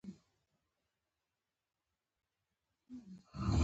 دا چې ولې بېله موضوع ده.